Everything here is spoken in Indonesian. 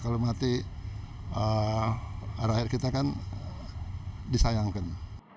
kalau mati arah air kita kan disayangkan